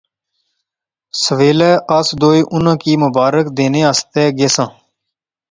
سویلے اس دوئے اُناں کی مبارک دینے آسطے گیساں